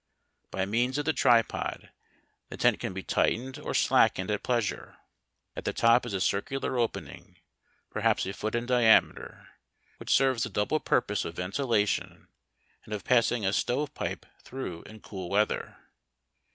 By means of the tripod the tent can be tightened or slackened at pleasure. At the toji is a circular opening, perhaps a foot in diameter, which serves the double purpose of ventilation and of passing a stove pipe through in cool weather.